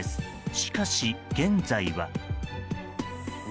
しかし、現在は。